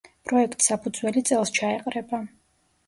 პროექტს საფუძველი წელს ჩაეყრება.